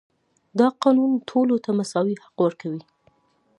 دا قانون ټولو ته مساوي حق ورکوي.